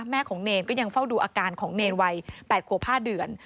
แม่ของเนรก็ยังเฝ้าดูอาการของเนรวัย๘ขวบ๕เดือน